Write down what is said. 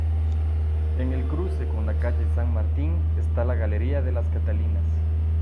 En el cruce con la calle San Martín está la Galería de las Catalinas.